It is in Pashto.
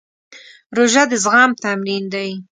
روژه د زغم تمرین دی.